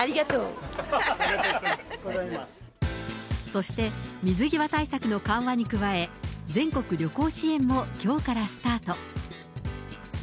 そして、水際対策の緩和に加え、全国旅行支援もきょうからスタート。